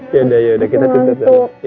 ya udah kita tidur dalam ya